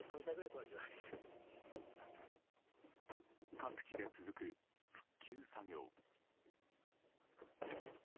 各地で続く復旧作業。